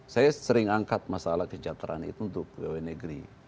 saya sering angkat masalah kesejahteraan itu untuk pegawai negeri